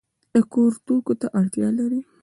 د کور توکو ته اړتیا لرئ؟